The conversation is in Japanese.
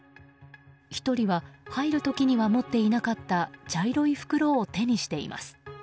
１人は、入る時には持っていなかった茶色い袋を手にしています。